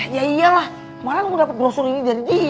ya iyalah malah lo dapet brosur ini dari dia